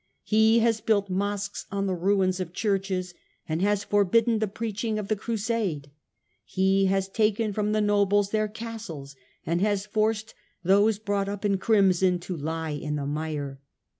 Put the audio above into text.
He has built mosques on the ruins of churches and has forbidden the preaching of the Crusade. He has taken from the nobles their castles and has forced those brought up in crimson to lie in the mire.